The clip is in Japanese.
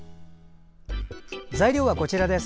材料は、こちらです。